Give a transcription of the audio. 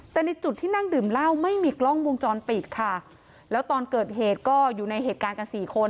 แต่ในจุดที่นั่งดื่มเหล้าไม่มีกล้องวงจรปิดค่ะแล้วตอนเกิดเหตุก็อยู่ในเหตุการณ์กันสี่คน